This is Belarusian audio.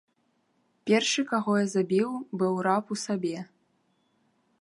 Першым, каго я забіў, быў раб у сабе.